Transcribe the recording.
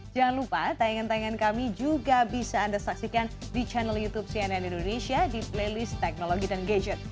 jangan lupa tayangan tayangan kami juga bisa anda saksikan di channel youtube cnn indonesia di playlist teknologi dan gadget